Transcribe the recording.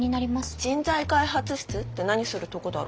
人材開発室って何するとこだろ？